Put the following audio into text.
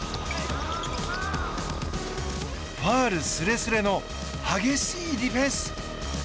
ファウルすれすれの激しいディフェンス！